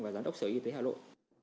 và giám đốc sở y tế hà nội